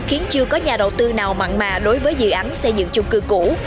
khiến chưa có nhà đầu tư nào mặn mà đối với dự án xây dựng chung cư cũ